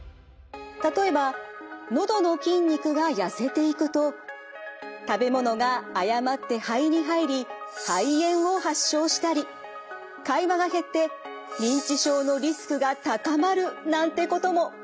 例えばのどの筋肉が痩せていくと食べ物が誤って肺に入り肺炎を発症したり会話が減って認知症のリスクが高まるなんてことも。